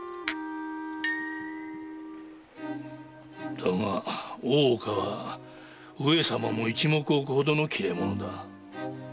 だが大岡は上様も一目置くほどの切れ者だ。